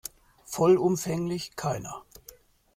Vollumfänglich, keiner.